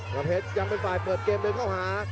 น้ำเพชรยังเป็นฝ่ายเปิดเกมเดินเข้าหา